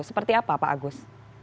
seperti apa pak agus